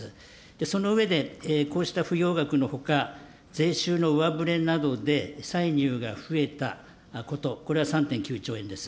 その上で、こうした不用額のほか、税収の上振れなどで歳入が増えたこと、それは３．９兆円です。